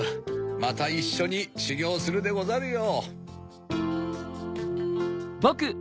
またいっしょにしゅぎょうするでござるよ。